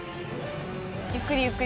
ゆっくりゆっくり。